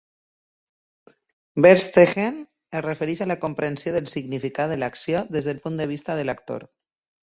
"Verstehen" es refereix a la comprensió del significat de l'acció des del punt de vista de l'actor.